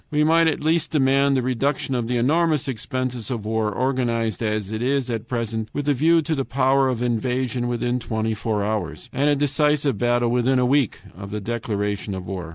"We might at least demand the reduction of the enormous expenses of war organized as it is at present with a view to the power of invasion within twenty four hours and a decisive battle within a week of the declaration of war.